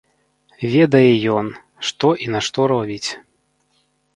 Ведае ён, што і нашто робіць.